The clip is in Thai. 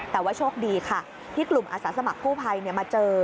แต่ว่าโชคดีค่ะที่กลุ่มอาสาสมัครกู้ภัยมาเจอ